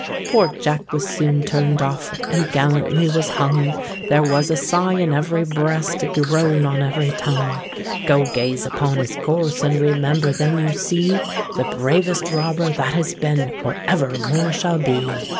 Poor Jack was soon turned off, And gallantly was hung: There was a sigh in every breast, A groan on every tongue. Go—gaze upon his corse, And remember then you see The bravest robber that has been, Or ever more shall be!